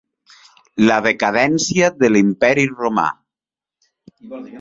La decadència de l'imperi Romà.